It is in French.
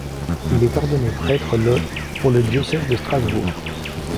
Il est ordonné prêtre le pour le diocèse de Strasbourg.